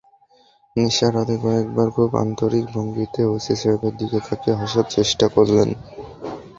নিসার আলি কয়েকবার খুব আন্তরিক ভঙ্গিতে ওসি সাহেবের দিকে তাকিয়ে হাসার চেষ্টা করলেন।